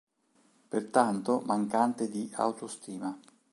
Pertanto, mancante di autostima.